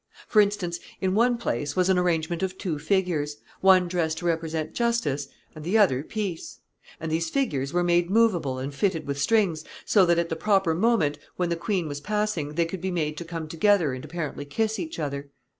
For instance, in one place was an arrangement of two figures, one dressed to represent justice, and the other peace; and these figures were made movable and fitted with strings, so that, at the proper moment, when the queen was passing, they could be made to come together and apparently kiss each other.